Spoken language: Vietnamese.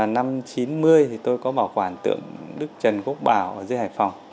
năm chín mươi thì tôi có bảo quản tượng đức trần quốc bảo ở dưới hải phòng